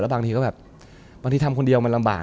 บางทีก็แบบบางทีทำคนเดียวมันลำบาก